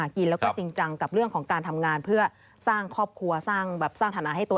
คุณชนะเลือกกรุ๊ปอะไรคะ